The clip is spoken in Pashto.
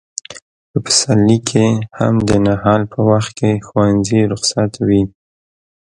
په پسرلي کې هم د نهال په وخت کې ښوونځي رخصت وي.